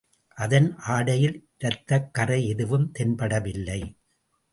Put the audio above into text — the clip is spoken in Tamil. அதன் ஆடையில் இரத்தக் கறை எதுவும் தென்படவில்லை.